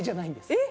えっ？